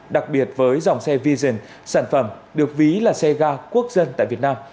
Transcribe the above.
đặc biệt với dòng xe vision sản phẩm được ví là xe ga quốc dân tại việt nam